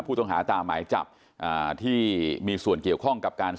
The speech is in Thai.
ผู้ต้องหาตามหมายจับอ่าที่มีส่วนเกี่ยวข้องกับการ